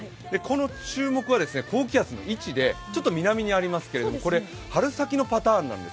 注目はこの高気圧の位置で、ちょっと南にありますけどこれは春先のものなんです。